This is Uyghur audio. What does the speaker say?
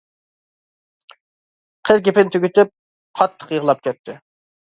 قىز گېپىنى تۈگىتىپ، قاتتىق يىغلاپ كەتتى.